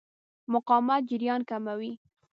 مقاومت جریان کموي.